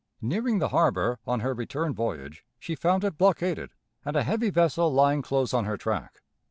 Nearing the harbor on her return voyage, she found it blockaded, and a heavy vessel lying close on her track.